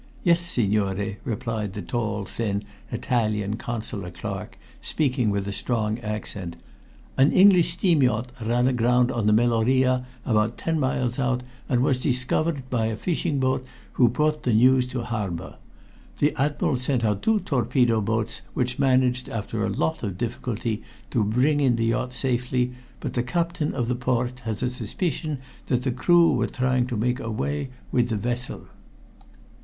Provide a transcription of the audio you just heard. "Yes, signore," replied the tall, thin Italian Consular clerk, speaking with a strong accent. "An English steam yacht ran aground on the Meloria about ten miles out, and was discovered by a fishing boat who brought the news to harbor. The Admiral sent out two torpedo boats, which managed after a lot of difficulty to bring in the yacht safely, but the Captain of the Port has a suspicion that the crew were trying to make away with the vessel."